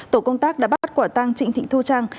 tổ công tác đã bắt quả tang trịnh thị thu trang